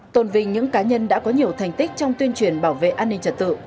tôn vinh những cá nhân đã có nhiều thành tích trong tuyên truyền bảo vệ an ninh trật tự